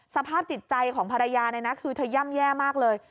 สภาพจิตใจของภรรยาคือเธอย่ำแย่มากเลย